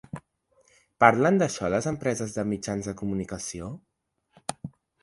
Parlen d’això les empreses de mitjans de comunicació?